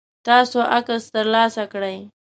تاسو عکس ترلاسه کړئ؟